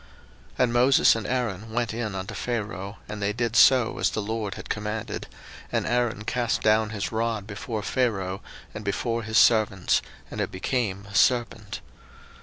02:007:010 And Moses and Aaron went in unto Pharaoh, and they did so as the LORD had commanded: and Aaron cast down his rod before Pharaoh, and before his servants, and it became a serpent.